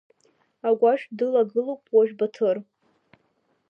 Агәашә дылагылоуп уажә Баҭыр.